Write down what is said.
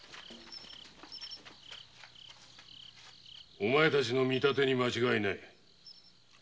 お前たちの見立てに間違いはない。